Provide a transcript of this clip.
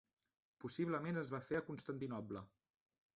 Possiblement es va fer a Constantinoble.